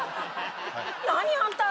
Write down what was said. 何あんた